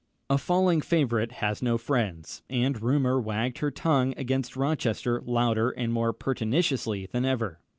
A falling favourite has no friends; and rumour wagged her tongue against Rochester louder and more pertinaciously than ever.